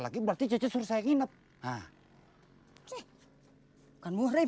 lagi berarti cece suruh saya nginep bukan muhrim